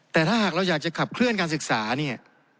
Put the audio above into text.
แต่ถ้าหากเราอยากจะขับเคลื่อนการศึกษาเนี่ย